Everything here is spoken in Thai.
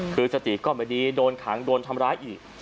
คือสติก็ไม่ดีโดนขังโดนทำร้ายอีก